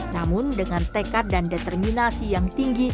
namun dengan tekad dan determinasi